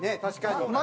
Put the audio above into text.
確かに。